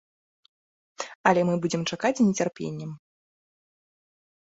Але мы будзем чакаць з нецярпеннем.